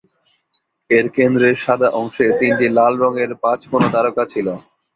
এর কেন্দ্রের সাদা অংশে তিনটি লাল রঙের পাঁচ কোনা তারকা ছিলো।